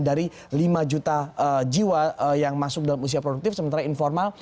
dari lima juta jiwa yang masuk dalam usia produktif sementara informal